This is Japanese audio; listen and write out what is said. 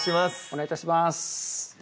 お願い致します